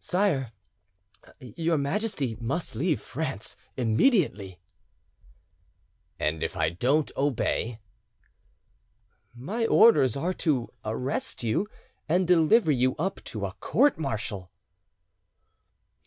"Sire, your Majesty must leave France immediately." "And if I don't obey?" "My orders are to arrest you and deliver you up to a court martial!"